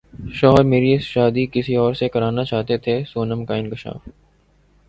شوہر میری شادی کسی اور سے کرانا چاہتے تھے سونم کا انکشاف